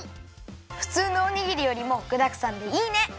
ふつうのおにぎりよりもぐだくさんでいいね！